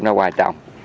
nó hoài trọng